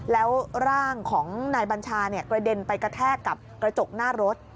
แล้วร่างของนายบัญชากระเด็นไปกระแทกกับกระจกหน้ารถ